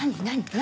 何？